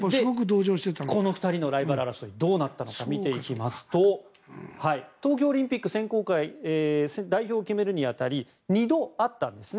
この２人のライバル争いどうなったのか見ていきますと東京オリンピック選考会代表を決めるに当たり２度あったんです。